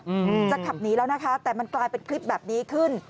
อืมจะขับหนีแล้วนะคะแต่มันกลายเป็นคลิปแบบนี้ขึ้น